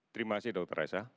terima kasih dr raisa